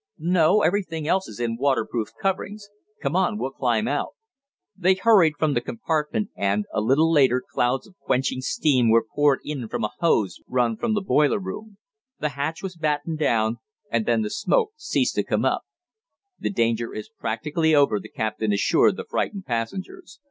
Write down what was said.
"No, everything else is in waterproof coverings. Come on, we'll climb out." They hurried from the compartment and, a little later clouds of quenching steam were poured in from a hose run from the boiler room. The hatch was battened down, and then the smoke ceased to come up. "The danger is practically over," the captain assured the frightened passengers.